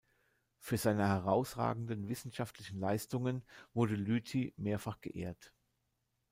Für seine herausragenden wissenschaftlichen Leistungen wurde Lüthy mehrfach geehrt.